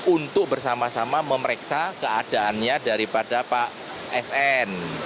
untuk bersama sama memeriksa keadaannya daripada pak sn